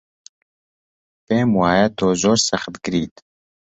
پێم وایە تۆ زۆر سەختگریت.